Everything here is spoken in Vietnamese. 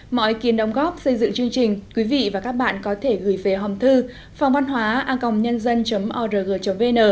mọi ý kiến đóng góp xây dựng chương trình quý vị và các bạn có thể gửi về hòm thư phòngvănhovănhoaángn org vn